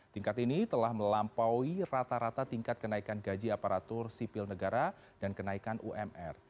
tingkat ini telah melampaui rata rata tingkat kenaikan gaji aparatur sipil negara dan kenaikan umr